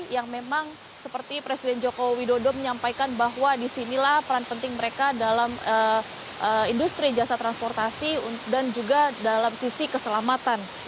yang memang seperti presiden joko widodo menyampaikan bahwa disinilah peran penting mereka dalam industri jasa transportasi dan juga dalam sisi keselamatan